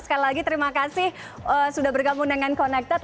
sekali lagi terima kasih sudah bergabung dengan connected